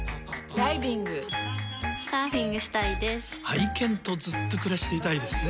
愛犬とずっと暮らしていたいですね。